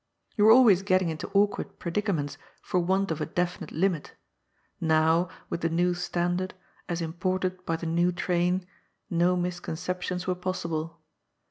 You were always getting into awkward predicaments for want of a definite limit ; now, with the new standard, as imported by the new train, no misconceptions were possible.